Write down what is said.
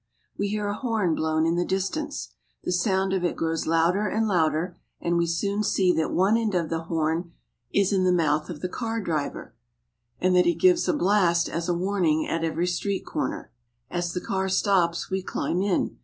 We hear a horn blown in the distance. The sound of it grows louder and louder, and we soon see that one end of the horn is in the mouth of the car driver, and that he gives a blast as a warning at every street corner. As the car stops we climb in.